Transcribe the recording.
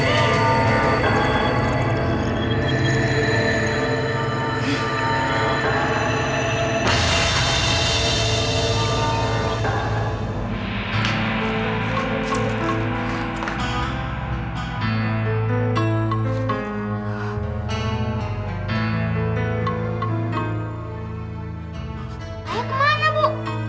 ayah kemana bu